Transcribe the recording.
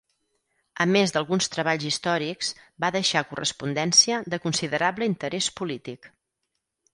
A més d'alguns treballs històrics va deixar correspondència de considerable interès polític.